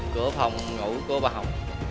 cửa phòng ngủ của bà hồng